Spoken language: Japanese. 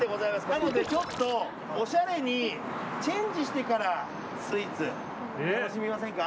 なのでおしゃれにチェンジしてからスイーツ、楽しみませんか？